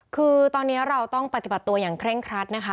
คือตอนนี้เราต้องปฏิบัติตัวอย่างเคร่งครัดนะคะ